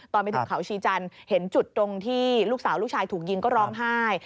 ตอนไปถึงเขาชีจันทร์เห็นจุดตรงที่ลูกสาวลูกชายถูกยิงก็ร้องไห้